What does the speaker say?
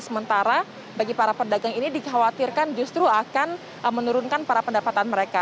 sementara bagi para pedagang ini dikhawatirkan justru akan menurunkan para pendapatan mereka